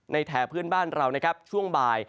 ในแถบพื้นบ้านเราช่วงบ่าย